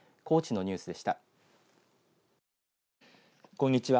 こんにちは。